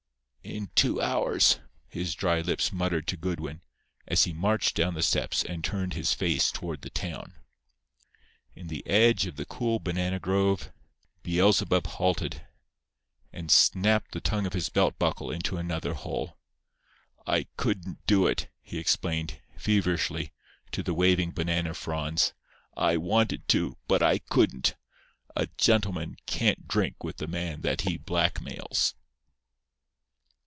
"In two hours," his dry lips muttered to Goodwin, as he marched down the steps and turned his face toward the town. In the edge of the cool banana grove "Beelzebub" halted, and snapped the tongue of his belt buckle into another hole. "I couldn't do it," he explained, feverishly, to the waving banana fronds. "I wanted to, but I couldn't. A gentleman can't drink with the man that he blackmails."